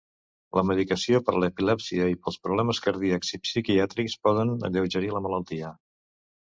La medicació per l'epilèpsia i pels problemes cardíacs i psiquiàtrics poden alleugerir la malaltia.